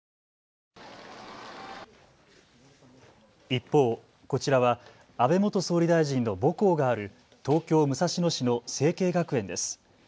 一方、こちらは安倍元総理大臣の母校がある東京武蔵野市の成蹊学園です。